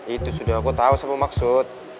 itu sudah aku tahu siapa maksud